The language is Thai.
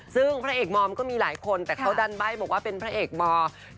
ซึ่งพระเอกมอมก็มีหลายคนแต่เขาดันใบ้บอกว่าเป็นพระเอกมอร์